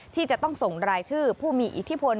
ที่จะต้องส่งรายชื่อผู้มีอิทธิพล